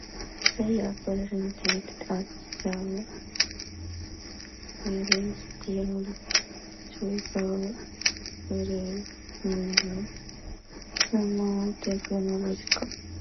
They are presented as the celestial Choir "Virtues", in the "Summa Theologica".